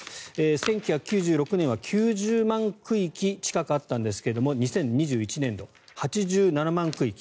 １９９６年は９０万区域近くあったんですけど２０２１年度、８７万区域。